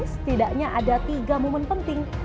setidaknya ada tiga momen penting